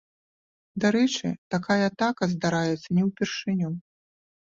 Дарэчы, такая атака здараецца не ўпершыню.